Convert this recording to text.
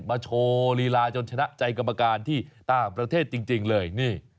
โชว์ลีลาจนชนะใจกรรมการที่ต่างประเทศจริงเลยนี่